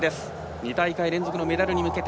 ２大会連続のメダルに向けて。